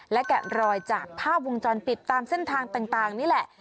และแกะรอยจากภาพวงจรปิดตามเส้นทางต่างนี่แหละ